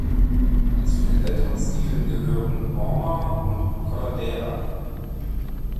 Zu den älteren Stilen gehören „Morna" und „Coladeira".